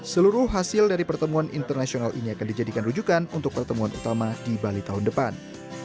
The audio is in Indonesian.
seluruh hasil dari pertemuan internasional ini akan dijadikan rujukan untuk pertemuan utama di bali tahun depan